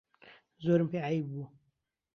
زۆرم پێ عەیب بوو